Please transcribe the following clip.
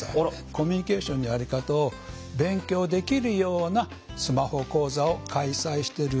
コミュニケーションのやり方を勉強できるようなスマホ講座を開催してる